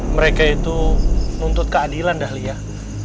mereka itu nuntut keadilan dah liah